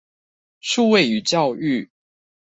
數位與教育